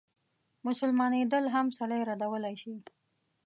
مسلمانېدل هم سړی ردولای شي.